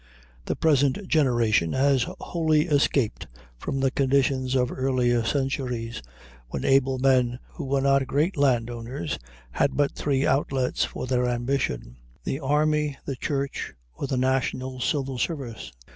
The present generation has wholly escaped from the conditions of earlier centuries, when able men who were not great land owners had but three outlets for their ambition the army, the church, or the national civil service.